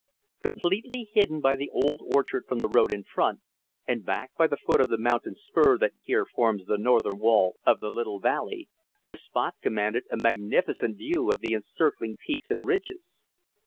Completely hidden by the old orchard from the road in front, and backed by the foot of the mountain spur that here forms the northern wall of the little valley, the spot commanded a magnificent view of the encircling peaks and ridges.